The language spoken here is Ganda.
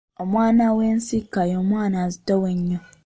Omwana ow’ensika ye mwana azitowa ennyo.